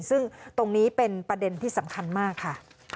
ซึ่งตรงนี้เป็นประเด็นที่สำคัญมากค่ะ